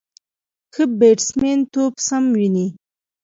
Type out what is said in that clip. ښه بیټسمېن توپ سم ویني.